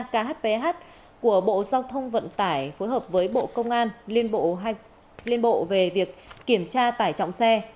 khbh của bộ giao thông vận tải phối hợp với bộ công an liên bộ về việc kiểm tra tải trọng xe